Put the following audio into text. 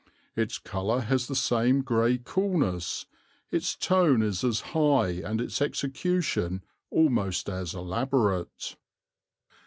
Its colour has the same gray coolness, its tone is as high, and its execution almost as elaborate."